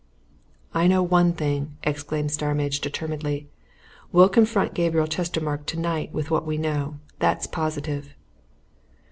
"I know one thing!" exclaimed Starmidge determinedly. "We'll confront Gabriel Chestermarke tonight with what we know. That's positive!"